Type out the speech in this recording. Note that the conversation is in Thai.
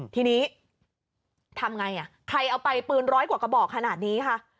ทีนี้ทำไงใครเอาไปปืนร้อยกว่ากระบอกขนาดนี้ค่ะ